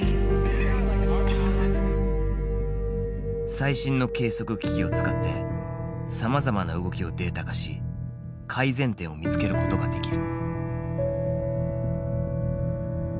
最新の計測機器を使ってさまざまな動きをデータ化し改善点を見つけることができる。